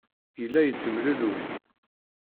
Yella yettemlelluy.